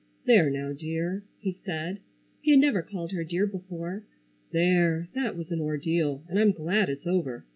"There now, dear," he said. He had never called her dear before. "There, that was an ordeal, and I'm glad, it's over.